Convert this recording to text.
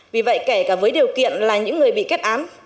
vì vậy kể cả với điều kiện là những người bị kết án